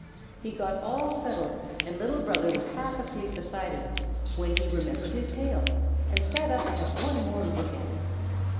He got all settled, and Little Brother was half asleep beside him, when he remembered his tail and sat up to have one more look at it.